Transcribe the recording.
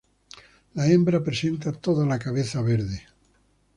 La hembra presenta toda la cabeza verde.